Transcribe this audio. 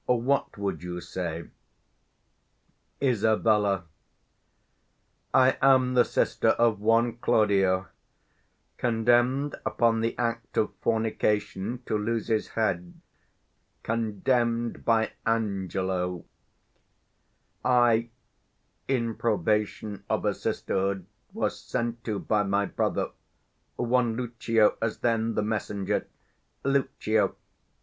What would you say? Isab. I am the sister of one Claudio, Condemn'd upon the act of fornication 70 To lose his head; condemn'd by Angelo: I, (in probation of a sisterhood,) Was sent to by my brother; one Lucio As then the messenger, _Lucio.